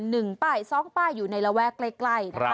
หนึ่งป้ายสองป้ายอยู่ในระแวะใกล้